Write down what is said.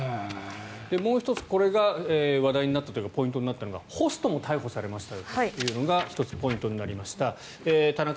もう１つ、これが話題になったというかポイントになったのがホストも逮捕されましたというのが１つポイントになりました。